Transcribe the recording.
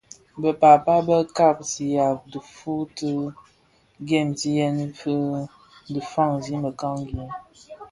Bë pääpa bë kpaňzigha tifuu ti ghemzyèn dhi faňzi mekangi.